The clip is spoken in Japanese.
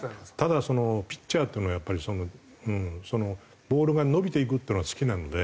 ただピッチャーっていうのはやっぱりそのボールが伸びていくっていうのが好きなので。